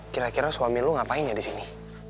kira kira suami lo ngapain ya disini